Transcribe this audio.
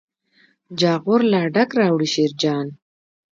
جاغور لا ډک راوړي شیرجان.